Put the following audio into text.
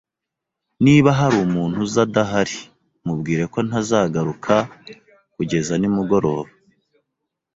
Niba hari umuntu uza adahari, mubwire ko ntazagaruka kugeza nimugoroba.